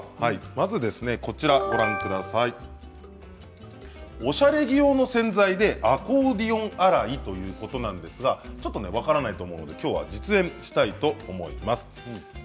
まず、おしゃれ着用の洗剤でアコーディオン洗いということなんですがちょっと分からないと思うのできょうは実演したいと思います。